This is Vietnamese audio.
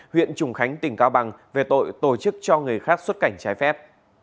huyện trùng khánh tỉnh cao bằng về tội tổ chức cho người khác xuất cảnh trái phép